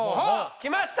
きました！